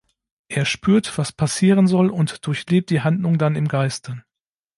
Er spürt, was passieren soll und durchlebt die Handlung dann im Geiste.